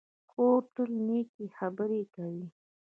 خور تل نېکې خبرې کوي.